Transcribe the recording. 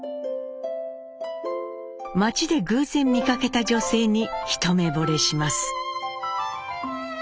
町で偶然見かけた女性に一目ぼれします。